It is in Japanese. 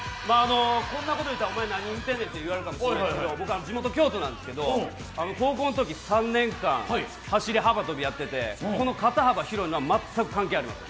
こんなこと言ったら、ホンマに何言ってんねんと思うかもしれませんが僕、地元が京都なんですけど高校の時３年間、走り幅跳びやってて、肩幅広いのは全く関係ありません。